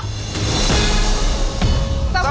เชียงใหม่พร้อมนะ